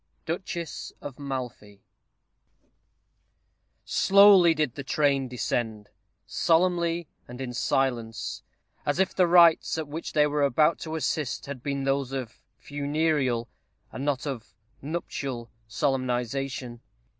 Duchess of Malfy. Slowly did the train descend; solemnly and in silence, as if the rites at which they were about to assist had been those of funereal, and not of nuptial, solemnization.